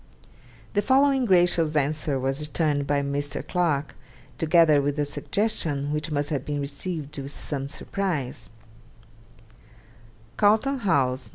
The following gracious answer was returned by Mr. Clarke, together with a suggestion which must have been received with some surprise: 'Carlton House, Nov.